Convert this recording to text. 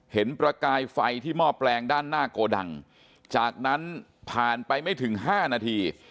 ประกายไฟที่หม้อแปลงด้านหน้าโกดังจากนั้นผ่านไปไม่ถึง๕นาที